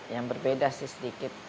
yang berbeda sih sedikit